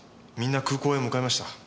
みんな空港へ向かいました。